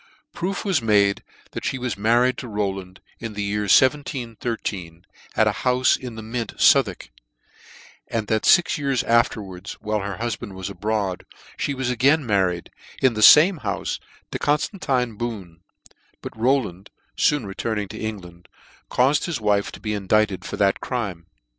Proof was made that flie was married to Row land, in the year 1713, at a houfe in the Mint, Southwark, ^and that fix years afterwards, while her hufband was abroad,, fhe was again married, in the fame houfe, to Conftantine Boone j but Rowland, foon returning to England, caufed his wife to be indicted for this crime.